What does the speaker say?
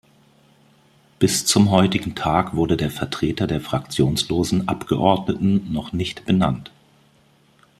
Bis zum heutigen Tag wurde der Vertreter der fraktionslosen Abgeordneten noch nicht benannt.